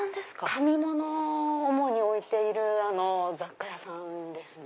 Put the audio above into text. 紙ものを主に置いている雑貨屋さんですね。